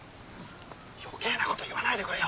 余計なこと言わないでくれよ！